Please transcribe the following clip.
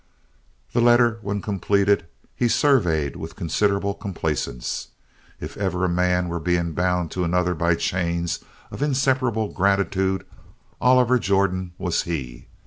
This letter, when completed, he surveyed with considerable complacence. If ever a man were being bound to another by chains of inseparable gratitude, Oliver Jordan was he!